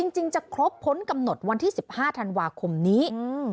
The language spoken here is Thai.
จริงจะครบพ้นกำหนดวันที่๑๕ธันวาคมนี้